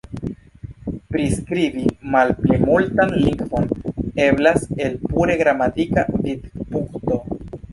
Priskribi malplimultan lingvon eblas el pure gramatika vidpunkto.